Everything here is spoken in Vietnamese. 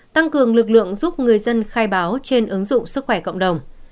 tăng cường lực lượng giúp người dân khai báo trên ứng dụng sức khỏe cộng đồng